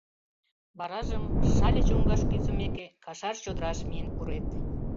Варажым, Шале чоҥгаш кӱзымеке, Кашар чодыраш миен пурет.